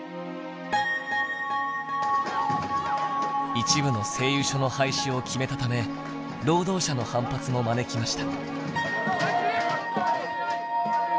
一部の製油所の廃止を決めたため労働者の反発も招きました。